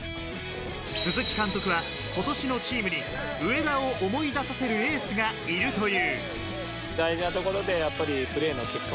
鈴木監督は今年のチームに上田を思い出させるエースがいるという。